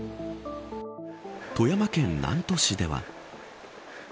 富山県南砺市では。